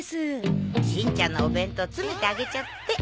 しんちゃんのお弁当詰めてあげちゃって。